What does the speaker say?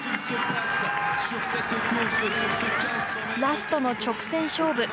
ラストの直線勝負。